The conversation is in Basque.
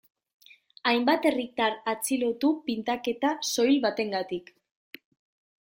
Hainbat herritar atxilotu pintaketa soil bategatik.